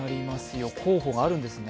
候補があるんですね。